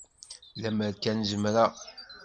Lemmer kan zemreɣ...